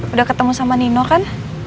udah ketemu sama nino kan